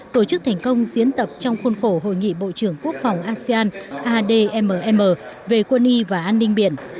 tổ chức thành công diễn tập trong khuôn khổ hội nghị bộ trưởng quốc phòng asean admm về quân y và an ninh biển